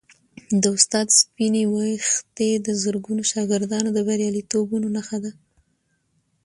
د استاد سپینې ویښتې د زرګونو شاګردانو د بریالیتوبونو نښه ده.